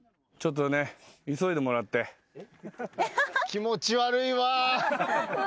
気持ち悪いわ。